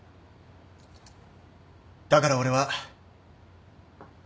だから俺は。